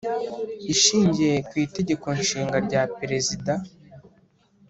Ishingiye ku Itegeko Nshinga ryaperezida